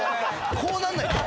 こうなんないと。